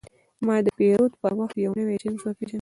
ما د پیرود پر وخت یو نوی جنس وپېژاند.